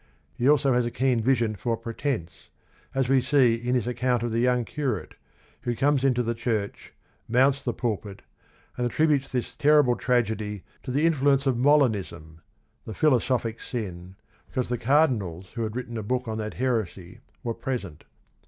He also has a keen vision for pretense, as we see in his account of the young curate, who comes into the church, mounts the pulpit, and attributes this terrible tragedy to the influence of Molinism "the philosophic sin" — because the cardinal who had written a book on that heresy were pres ent.